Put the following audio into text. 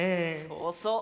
そうそう。